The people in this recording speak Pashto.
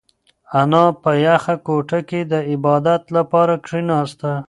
انا په یخه کوټه کې د عبادت لپاره کښېناسته.